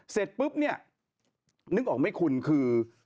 เสร็จนึกออกไม่คุณคือ